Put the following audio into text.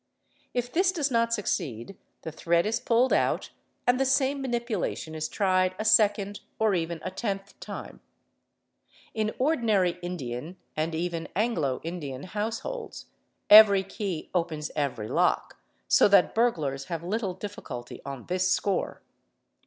If this does not succeed, the thread is pulled out, and the _ same manipulation is tried a second or even a tenth time. a In ordinary Indian and even Anglo Indian households every key opens i q every lock, so that burglars have little difficulty on this score.